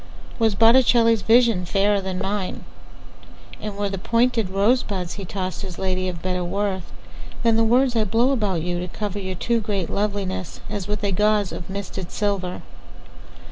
Was Botticelli's visionFairer than mine; And were the pointed rosebudsHe tossed his ladyOf better worthThan the words I blow about youTo cover your too great lovelinessAs with a gauzeOf misted silver?